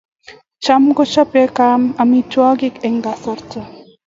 cham ku chobei kame amitwogik eng' kasarta